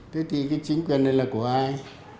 thế thì cái chính quyền này là của ai